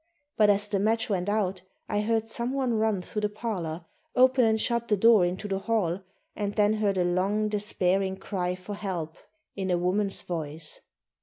But as the match went out I heard someone run through the parlor, open and shut the door into the hall, and then heard a long despairing cry for help in a woman's voice.